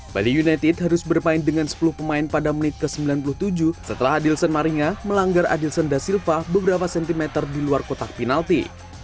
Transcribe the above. bali united harus bermain dengan sepuluh pemain pada menit ke sembilan puluh tujuh setelah adilsen maringa melanggar adilsen da silva beberapa sentimeter di luar kotak penalti